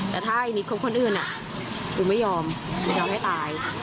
แต่ถ้าไอ้นิดคบคนอื่นกูไม่ยอมไม่ยอมให้ตาย